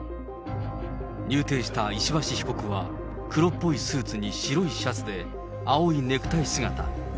入廷した石橋被告は黒っぽいスーツに白いシャツ、青いネクタイ姿。